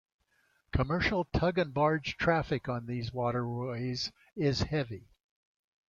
Commercial tug-and-barge traffic on these waterways is heavy.